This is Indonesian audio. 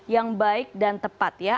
yang baik dan tepat ya